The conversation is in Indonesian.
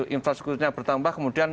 infrastrukturnya bertambah kemudian